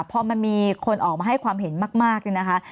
เพราะมันมีคนออกมาให้ความเห็นมากนะคะ